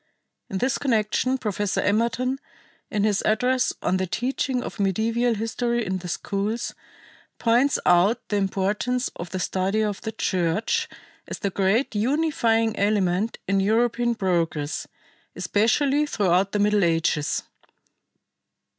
In this connection Professor Emerton, in his address on the "Teaching of Medieval History in the Schools," points out the importance of the study of the Church as the great unifying element in European progress, especially throughout the Middle Ages.